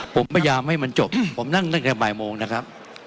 ผมพยายามให้มันจบผมนั่งตั้งแต่บ่ายโมงนะครับ